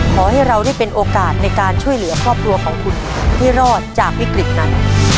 ขอให้เราได้เป็นโอกาสในการช่วยเหลือครอบครัวของคุณให้รอดจากวิกฤตนั้น